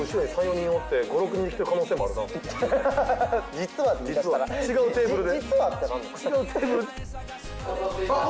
実は違うテーブルで。